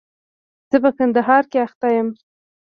زه په کندهار کښي اخته يم.